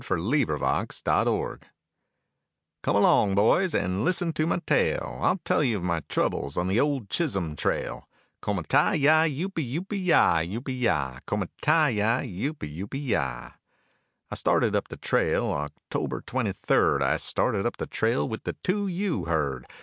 THE OLD CHISHOLM TRAIL Come along, boys, and listen to my tale, I'll tell you of my troubles on the old Chisholm trail. Coma ti yi youpy, youpy ya, youpy ya, Coma ti yi youpy, youpy ya. I started up the trail October twenty third, I started up the trail with the 2 U herd.